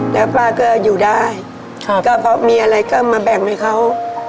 แล้วป้าก็อยู่ได้ก็เพราะมีอะไรก็มาแบ่งให้เขา